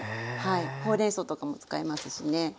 ほうれんそうとかも使いますしね。